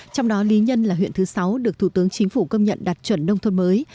trong đó lý nhân là huyện thứ sáu được thủ tướng chính phủ công nhận đạt chuẩn nông thôn mới